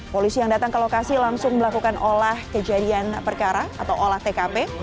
polisi yang datang ke lokasi langsung melakukan olah kejadian perkara atau olah tkp